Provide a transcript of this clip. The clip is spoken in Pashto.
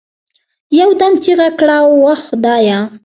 يو دم يې چيغه كړه وه خدايه!